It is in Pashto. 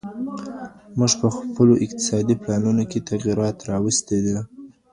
موږ په خپلو اقتصادي پلانونو کي تغيرات راوستي دي.